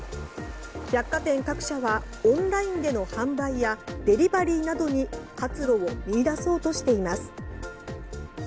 百貨店各社はオンラインでの販売やデリバリーなどに活路を見いだそうとしています。